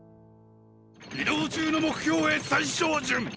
移動中の目標へ再照準！！